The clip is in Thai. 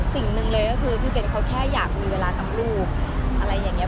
สิ่งหนึ่งเลยก็คือพี่เป็ดเขาแค่อยากมีเวลากับลูกอะไรอย่างนี้